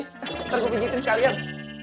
ntar gua pijetin sekalian